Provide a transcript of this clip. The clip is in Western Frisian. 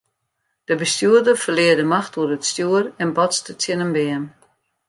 De bestjoerder ferlear de macht oer it stjoer en botste tsjin in beam.